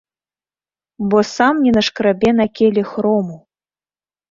Бо сам не нашкрабе на келіх рому.